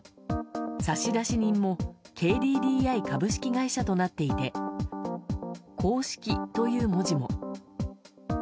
差出人も「ＫＤＤＩ株式会社」となっていて「公式」という文字も。